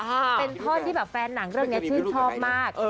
เป็นท่อนที่แบบแฟนหนังเรื่องนี้ชื่นชอบมาก